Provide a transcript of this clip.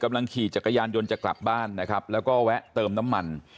ขี่จักรยานยนต์จะกลับบ้านนะครับแล้วก็แวะเติมน้ำมัน